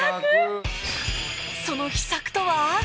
その秘策とは